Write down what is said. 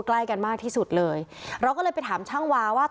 ใกล้กันมากที่สุดเลยเราก็เลยไปถามช่างวาว่า